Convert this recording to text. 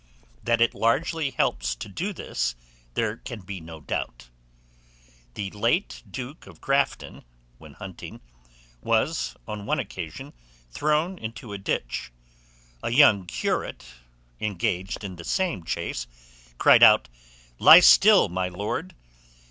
That it largely helps to do this there can be no doubt. The late duke of Grafton, when hunting, was, on one occasion, thrown into a ditch. A young curate, engaged in the same chase, cried out, "Lie still, my lord!"